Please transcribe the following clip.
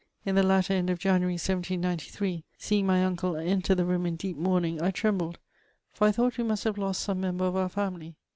In the latter end of Januaiy, 1793, seeing my imde enter the room in deep mourning, I trembled, for 1 thought we must have lost some member of our family.